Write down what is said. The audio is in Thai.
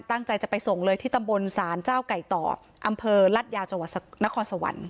ตั้งใจจะไปส่งเลยที่ตำบลศาลเจ้าไก่ต่ออำเภอรัดยาวจังหวัดนครสวรรค์